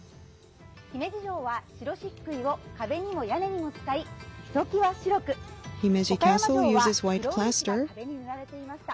姫路城は、白しっくいを屋根にも使い、ひときわ白く岡山城は黒漆が壁に塗られていました。